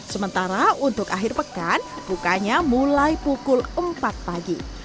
sementara untuk akhir pekan bukanya mulai pukul empat pagi